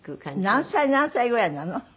何歳何歳ぐらいなの？